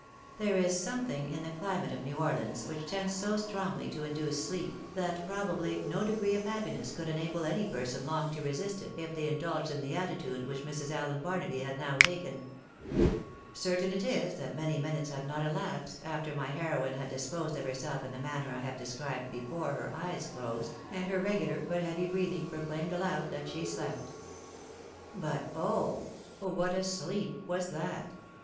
There is something in the climate of New Orleans which tends so strongly to induce sleep, that probably no degree of happiness could enable any person long to resist it if they indulged in the attitude which Mrs. Allen Barnaby had now taken. Certain it is that many minutes had not elapsed after my heroine had disposed of herself in the manner I have described before her eyes closed, and her regular but heavy breathing proclaimed aloud that she slejDt. But oh ! what a sleep was that